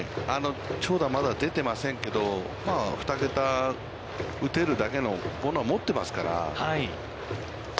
長打はまだ出てませんけど、二桁打てるだけのものは持ってますから。